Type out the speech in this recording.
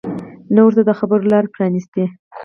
نه ورته د خبرو لاره پرانیستې